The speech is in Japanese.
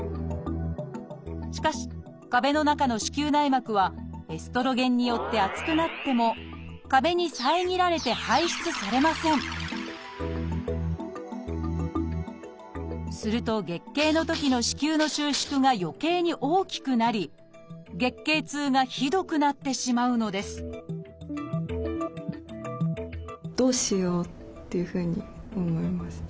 しかし壁の中の子宮内膜はエストロゲンによって厚くなっても壁に遮られて排出されませんすると月経のときの子宮の収縮がよけいに大きくなり月経痛がひどくなってしまうのですっていうふうに思いました。